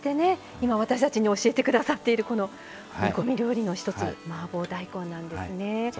今私たちに教えて下さっているこの煮込み料理の一つマーボー大根なんですね。